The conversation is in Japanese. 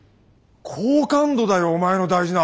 好感度だよお前の大事な。